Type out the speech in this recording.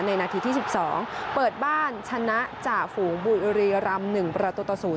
นาทีที่๑๒เปิดบ้านชนะจ่าฝูงบุรีรำ๑ประตูต่อ๐